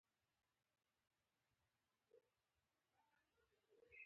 دا نښې د خیالي باور نښه ده.